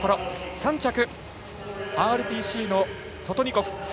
３着はＲＰＣのソトニコフ。